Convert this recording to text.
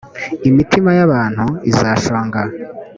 imitima y’ abantu izashonga